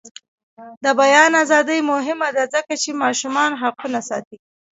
د بیان ازادي مهمه ده ځکه چې ماشومانو حقونه ساتي.